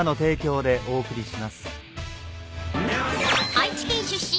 ［愛知県出身